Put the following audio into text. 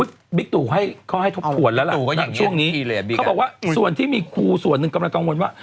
บิ๊กตู่ให้เขาให้ทบทวนแล้วล่ะว่าอย่างช่วงนี้เขาบอกว่าส่วนที่มีครูส่วนหนึ่งกำลังกังวลว่า